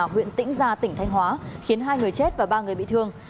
huyện tĩnh gia tỉnh thanh hóa khiến hai người chết và ba người bị thương